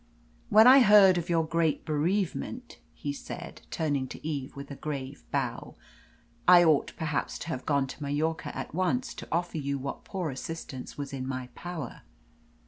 "When I heard of your great bereavement," he said, turning to Eve with a grave bow, "I ought perhaps to have gone to Mallorca at once to offer you what poor assistance was in my power.